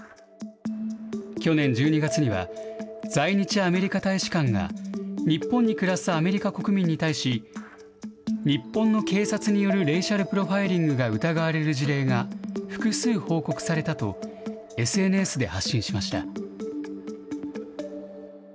去年１２月には、在日アメリカ大使館が日本に暮らすアメリカ国民に対し、日本の警察によるレイシャルプロファイリングが疑われる事例が複数報告されたと、ＳＮＳで発信しました。